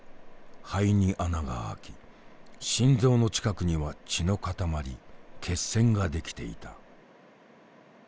肺に穴が開き心臓の近くには血の塊血栓が出来ていた。